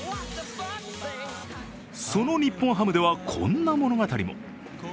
その日本ハムではこんな物語も。